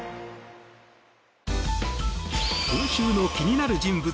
今週の気になる人物